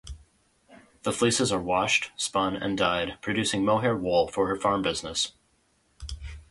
The fleeces are washed, spun and dyed, producing mohair wool for her farm business.